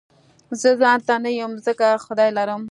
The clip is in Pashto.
زه ځانته نه يم ځکه خدای لرم